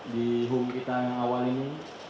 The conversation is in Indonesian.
di home kita yang awal ini